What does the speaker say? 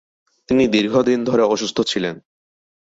তিনি দীর্ঘদিন ধরে অসুস্থ ছিলেন।